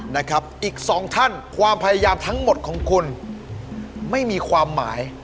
นะครับอีกสองท่านความพยายามทั้งหมดของคุณไม่มีความหมาย